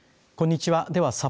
こんにちは。